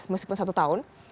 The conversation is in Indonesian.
meskipun satu tahun